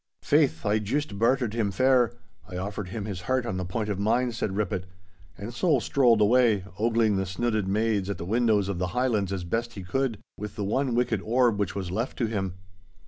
'Faith, I juist bartered him fair. I offered him his heart on the point of mine!' said Rippett, and so strolled away, ogling the snooded maids at the windows of the high lands as best he could, with the one wicked orb which was left to him.